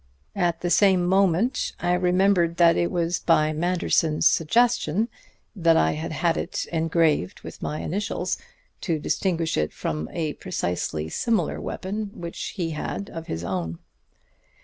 At the same moment I remembered that it was by Manderson's suggestion that I had had it engraved with my initials, to distinguish it from a precisely similar weapon which he had of his own.